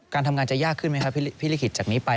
การทำงานจะยากขึ้นมั้ยพิธภิษฐ์จากนี้ไป